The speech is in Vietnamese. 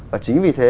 và chính vì thế